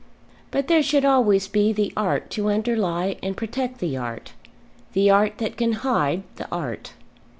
But there should always be the art to underlie and protect the art; the art that can hide the art.